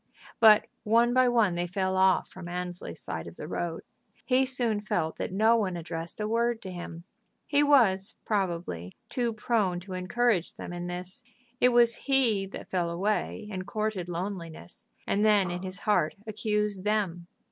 But one by one they fell off from Annesley's side of the road. He soon felt that no one addressed a word to him. He was, probably, too prone to encourage them in this. It was he that fell away, and courted loneliness, and then in his heart accused them.